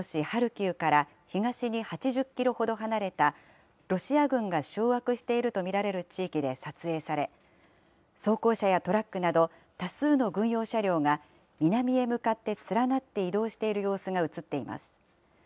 ハルキウから東に８０キロほど離れた、ロシア軍が掌握していると見られる地域で撮影され、装甲車やトラックなど、多数の軍用車両が南へ向かって連なって移動している様子が写っています。